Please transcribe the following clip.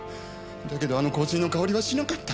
だけどあの香水の香りはしなかった。